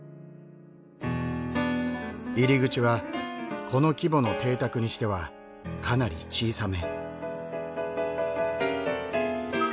入り口はこの規模の邸宅にしてはかなり小さめ。